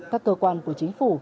các cơ quan của chính phủ